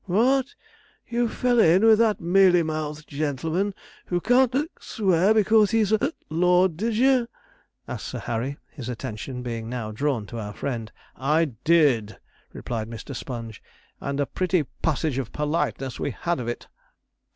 'What! you fell in with that mealy mouthed gentleman, who can't swear because he's a lord, did you?' asked Sir Harry, his attention being now drawn to our friend. 'I did,' replied Mr. Sponge; 'and a pretty passage of politeness we had of it.'